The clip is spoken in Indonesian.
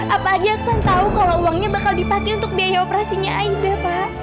apalagi aksan tahu kalau uangnya bakal dipakai untuk biaya operasinya aida pak